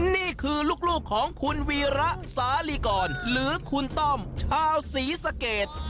นี่คือลูกของคุณวีระสาลีกรหรือคุณต้อมชาวศรีสะเกด